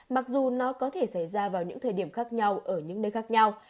mặc dù nó có thể xảy ra vào những thời điểm khác nhau ở những nơi khác nhau